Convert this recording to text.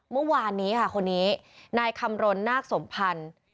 เมื่อวานนี้ค่ะคนนี้นายคำรณนาคสมพันธ์